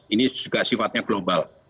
ini juga sifatnya global